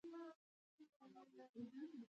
کسبګرو د امتیازاتو د دفاع لپاره تشکیلات جوړ کړل.